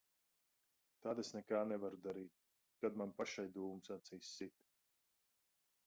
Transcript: Tad es nekā nevaru darīt. Tad man pašai dūmus acīs sit.